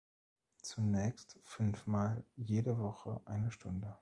Zunächst fünf Mal jede Woche eine Stunde.